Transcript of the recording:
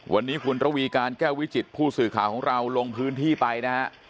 วันนี้คุณระวีการแก้ววิจิตผู้สื่อข่าวของเราลงพื้นที่ไปนะฮะ